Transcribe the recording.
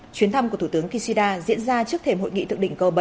chuyến thăm của thủ tướng kishida diễn ra trước thềm hội nghị thực định g bảy